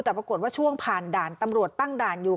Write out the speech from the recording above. แต่ปรากฏว่าช่วงผ่านด่านตำรวจตั้งด่านอยู่